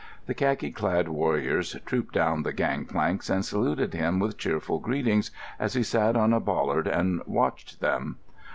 The khaki clad warriors trooped down the gang planks and saluted him with cheerful greetings as he sat on a bollard and watched them.